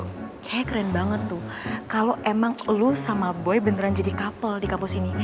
kayaknya keren banget tuh kalau emang lo sama boy beneran jadi couple di kampus ini